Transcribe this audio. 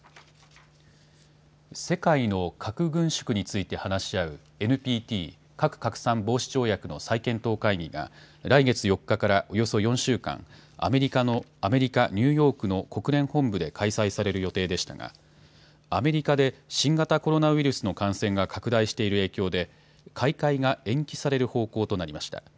世界の核軍縮について話し合うＮＰＴ・核拡散防止条約の再検討会議が、来月４日からおよそ４週間、アメリカ・ニューヨークの国連本部で開催される予定でしたが、アメリカで新型コロナウイルスの感染が拡大している影響で、開会が延期される方向となりました。